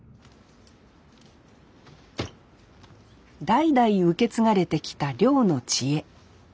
代々受け継がれてきた漁の知恵。